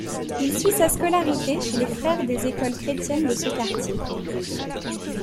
Il suit sa scolarité chez les frères des écoles chrétienne de ce quartier.